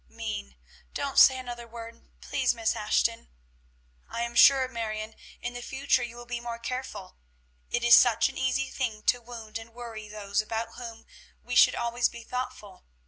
"Mean. Don't say another word please, Miss Ashton." "I am sure, Marion, in the future you will be more careful. It is such an easy thing to wound and worry those about whom we should always be thoughtful.